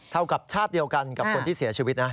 กับชาติเดียวกันกับคนที่เสียชีวิตนะ